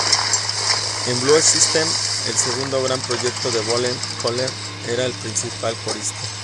En Blue System, el segundo gran proyecto de Bohlen, Köhler era el principal corista.